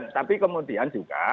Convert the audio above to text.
tapi kemudian juga